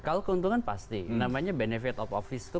kalau keuntungan pasti namanya benefit of office